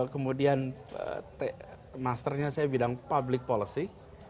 kemudian masternya saya bilang public policy